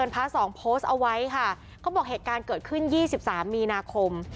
พระสองโพสต์เอาไว้ค่ะเขาบอกเหตุการณ์เกิดขึ้น๒๓มีนาคม